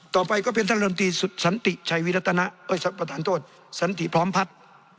ต่อไปก็เป็นท่านลำตีสันติพร้อมพัฒน์